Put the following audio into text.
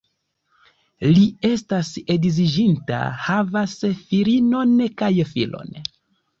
Li estas edziĝinta, havas filinon kaj filon.